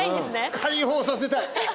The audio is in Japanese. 解放させたい！